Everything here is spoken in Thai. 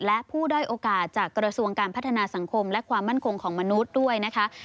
และผู้ด้อยโอกาสจากกระทรวงการพัฒนาสังคมและความมั่นคงของมนุษย์ด้วยนะคะ